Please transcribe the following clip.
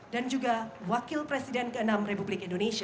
dan juga wakil presiden ke enam republik indonesia